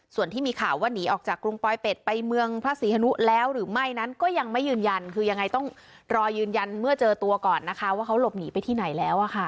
ส่วนที่มีข่าวว่าหนีออกจากกรุงปลอยเป็ดไปเมืองพระศรีฮนุแล้วหรือไม่นั้นก็ยังไม่ยืนยันคือยังไงต้องรอยืนยันเมื่อเจอตัวก่อนนะคะว่าเขาหลบหนีไปที่ไหนแล้ว